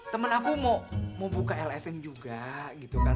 temen aku mau buka lsm juga gitu kan